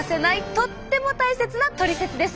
とっても大切なトリセツです。